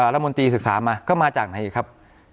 รัฐมนตรีศึกษามาก็มาจากไหนครับ